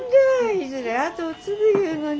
いずれ後を継ぐいうのに。